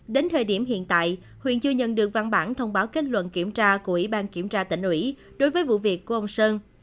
đến thời điểm hiện tại huyện chưa nhận được văn bản thông báo kết luận kiểm tra của ủy ban kiểm tra tỉnh ủy đối với vụ việc của ông sơn